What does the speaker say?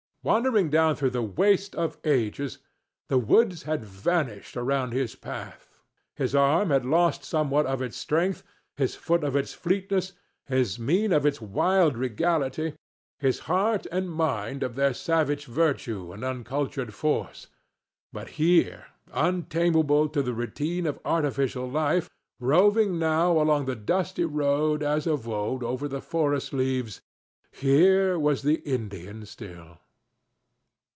Wandering down through the waste of ages, the woods had vanished around his path; his arm had lost somewhat of its strength, his foot of its fleetness, his mien of its wild regality, his heart and mind of their savage virtue and uncultured force, but here, untamable to the routine of artificial life, roving now along the dusty road as of old over the forest leaves,—here was the Indian still.